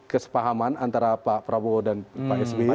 kesepahaman antara pak prabowo dan pak sby